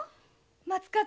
松風。